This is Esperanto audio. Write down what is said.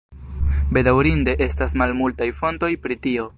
Bedaŭrinde estas malmultaj fontoj pri tio.